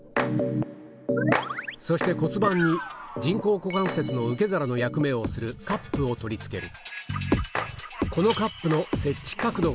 骨盤に人工股関節の受け皿の役目をするカップを取り付ける